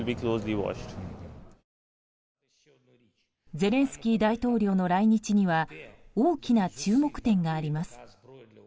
ゼレンスキー大統領の来日には大きな注目点があります。